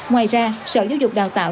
ngoài ra sở dục đào tạo